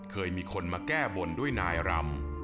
เคยมีคนมาแก้บนด้วยนายรำ